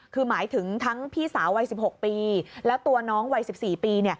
คือหมายถึงทั้งพี่สาววัย๑๖ปีแล้วตัวน้องวัย๑๔ปี